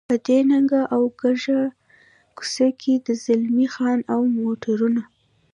په دې تنګه او کږه کوڅه کې د زلمی خان او موټرونه.